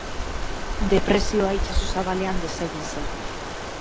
Depresioa itsaso zabalean desegin zen.